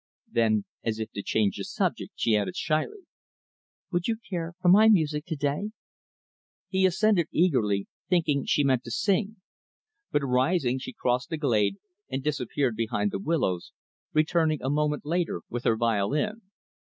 Then, as if to change the subject, she asked shyly, "Would you care for my music to day?" He assented eagerly thinking she meant to sing. But, rising, she crossed the glade, and disappeared behind the willows returning, a moment later, with her violin.